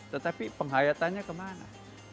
tetapi penghayatannya kemana